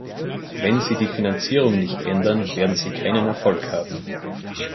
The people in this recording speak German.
Wenn Sie die Finanzierung nicht ändern, werden Sie keinen Erfolg haben.